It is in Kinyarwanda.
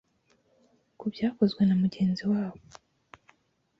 ku byakozwe na mugenzi wabo